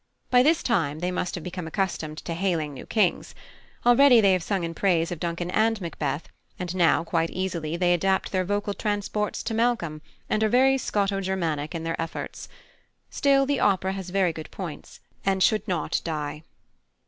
By this time they must have become accustomed to hailing new kings. Already they have sung in praise of Duncan and Macbeth, and now, quite easily, they adapt their vocal transports to Malcolm, and are very Scoto Germanic in their efforts. Still, the opera has very good points, and should not die.